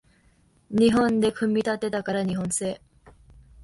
日本で組み立てたから日本製